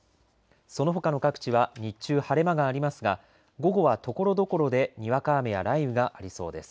そのほかの各地は日中晴れ間がありますが午後はところところでにわか雨や雷雨がありそうです。